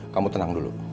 kamu tenang dulu